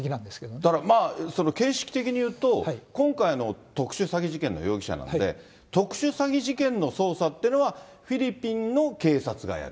だから、形式的に言うと、今回の特殊詐欺事件の容疑者なんで、特殊詐欺事件の捜査っていうのは、フィリピンの警察がやる。